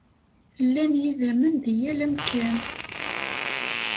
Llan yidammen deg yal amkan.